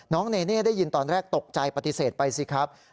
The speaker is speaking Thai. เนเน่ได้ยินตอนแรกตกใจปฏิเสธไปสิครับ